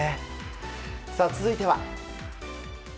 続いては。